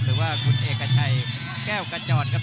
หรือว่าคุณเอกชัยแก้วกระจอดครับ